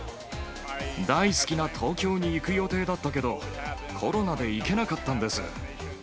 大好きな東京に行く予定だったけど、コロナで行けなかったんです。